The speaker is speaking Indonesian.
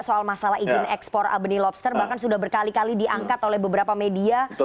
soal masalah izin ekspor abonelobster bahkan sudah berkali kali diangkat oleh beberapa media